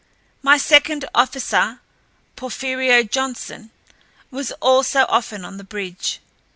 My second officer, Porfirio Johnson, was also often on the bridge.